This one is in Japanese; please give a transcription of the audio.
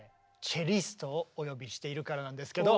チェリストをお呼びしているからなんですけど。